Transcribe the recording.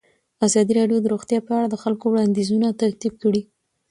ازادي راډیو د روغتیا په اړه د خلکو وړاندیزونه ترتیب کړي.